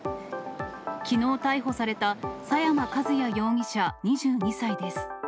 きのう逮捕された佐山和也容疑者２２歳です。